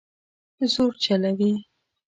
زور چلوي